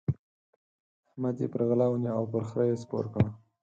احمد يې پر غلا ونيو او پر خره يې سپور کړ.